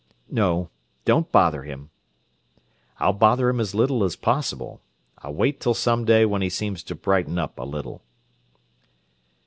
"No. Don't bother him." "I'll bother him as little as possible. I'll wait till some day when he seems to brighten up a little."